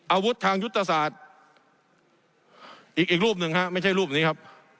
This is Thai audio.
อาวุธทางยุทธศาสตร์อีกอีกรูปหนึ่งฮะไม่ใช่รูปนี้ครับ